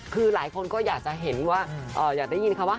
คือหลายคนก็อยากจะเห็นว่าอยากได้ยินคำว่า